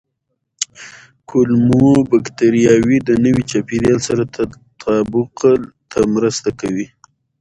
کولمو بکتریاوې د نوي چاپېریال سره تطابق ته مرسته کوي.